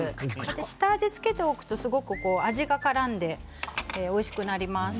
下味を付けておくと、すごく味がからんでおいしくなります。